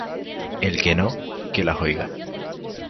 El que nó, que las oiga.